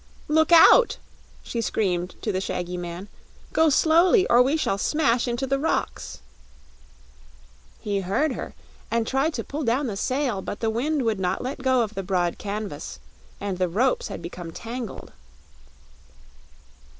"Look out!" she screamed to the shaggy man. "Go slowly, or we shall smash into the rocks." He heard her, and tried to pull down the sail; but the wind would not let go of the broad canvas and the ropes had become tangled.